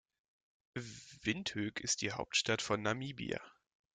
Windhoek ist die Hauptstadt von Namibia.